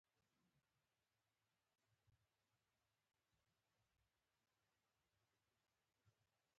که هغه به عيد وو که ببرات.